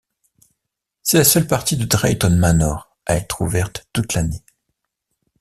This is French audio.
C'est la seule partie de Drayton Manor à être ouverte toute l'année.